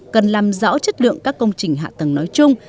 cần làm rõ chất lượng các công trình hạ tầng nói chung